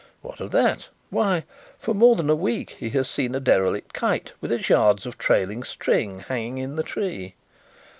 What of that? Why, for more than a week he has seen a derelict kite with its yards of trailing string hanging in the tree.